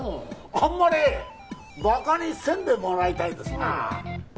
あんまねえバカにせんでもらいたいですな